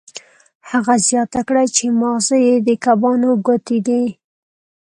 هغه زیاته کړه چې ماغزه یې د کبانو ګوتې دي